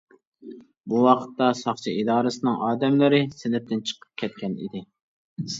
بۇ ۋاقىتتا ساقچى ئىدارىسىنىڭ ئادەملىرى سىنىپتىن چىقىپ كەتكەن ئىدى.